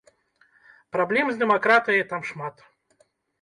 Праблем з дэмакратыяй там шмат.